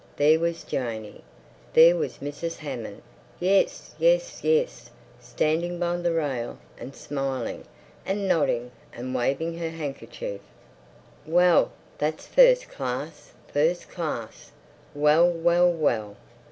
There was Janey. There was Mrs. Hammond, yes, yes, yes—standing by the rail and smiling and nodding and waving her handkerchief. "Well that's first class—first class! Well, well, well!"